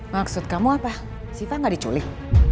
maksud kamu apa siva gak diculik